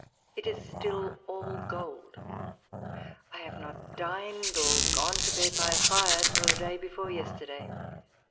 It is still all gold. I have not dined or gone to bed by a fire till the day before yesterday.